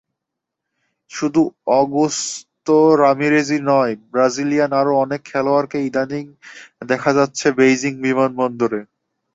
শুধু অগুস্তো-রামিরেজই নয়, ব্রাজিলিয়ান আরও অনেক খেলোয়াড়কে ইদানীং দেখা যাচ্ছে বেইজিং বিমানবন্দরে।